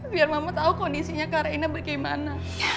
biar mama tau kondisinya kak reina bagaimana